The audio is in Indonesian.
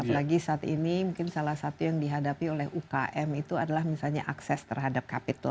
apalagi saat ini mungkin salah satu yang dihadapi oleh ukm itu adalah misalnya akses terhadap capital